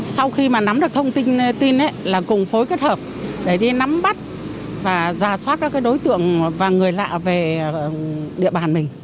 sau khi mà nắm được thông tin tin là cùng phối kết hợp để đi nắm bắt và ra soát các đối tượng và người lạ về địa bàn mình